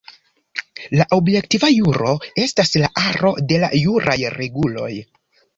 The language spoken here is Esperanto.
La objektiva juro estas la aro de la juraj reguloj.